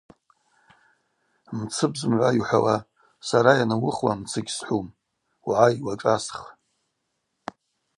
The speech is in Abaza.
Мцыпӏ зымгӏва йухӏвауа, сара йанамуыхуа мцы гьсхӏвум… – Угӏай, уашӏасх.